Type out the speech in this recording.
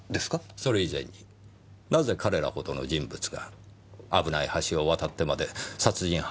それ以前になぜ彼らほどの人物が危ない橋を渡ってまで殺人犯を守ったのでしょうか。